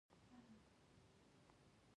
د مځکې ځینې برخې د اوبو د کمښت له امله وچې دي.